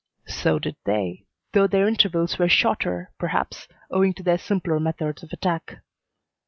"So did they, though their intervals were shorter, perhaps, owing to their simpler methods of attack."